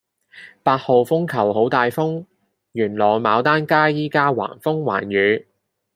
八號風球好大風，元朗牡丹街依家橫風橫雨